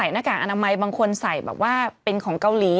นกอันน้ำไมค์บางคนใส่เป็นของเกาหลี